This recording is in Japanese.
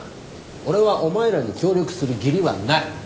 俺はお前らに協力する義理はない。